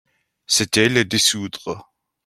C'était les dissoudre.